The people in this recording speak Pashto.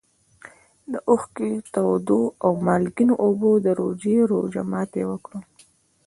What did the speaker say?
د اوښکو تودو او مالګینو اوبو د روژې روژه ماتي وکړ.